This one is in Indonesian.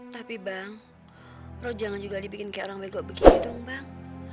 tapi bang roh jangan juga dibikin kayak orang bego begini dong bang